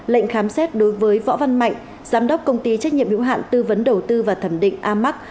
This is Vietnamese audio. lệnh khám xét đối với võ văn mạnh giám đốc công ty trách nhiệm hữu hạn tư vấn đầu tư và thẩm định amac